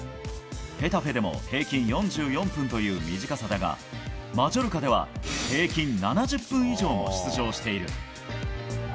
ヘタフェでも平均４４分という短さだがマジョルカでは平均７０分以上も出場している。